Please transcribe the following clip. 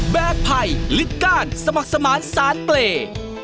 แบบภัยริดก้านสมัครสมารรสารเปล่า